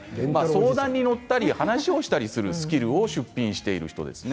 相談に乗ったり話をするスキルを出品している人ですね。